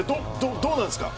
どうなんですか。